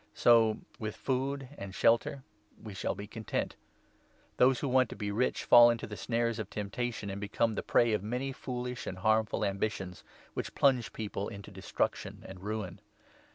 So, with food and shelter, 8 we will be content. Those who want to be rich fall into the 9 snares of temptation, and become the prey of many foolish and harmful ambitions, which plunge people into Destruction and Ruin.